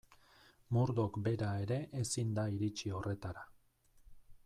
Murdoch bera ere ezin da iritsi horretara.